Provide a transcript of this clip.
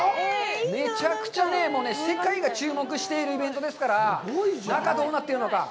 めちゃくちゃね、世界が注目しているイベントですから、中、どうなってるのか。